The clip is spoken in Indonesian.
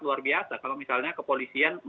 luar biasa kalau misalnya kepolisian